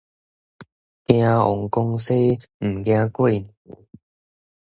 驚王公生，毋驚過年